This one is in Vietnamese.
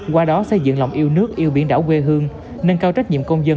qua đó xây dựng lòng yêu nước yêu biển đảo quê hương nâng cao trách nhiệm công dân